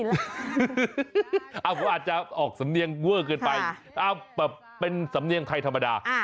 ผมอาจจะออกสำเนียงเวอร์เกินไปเป็นสำเนียงใครธรรมดา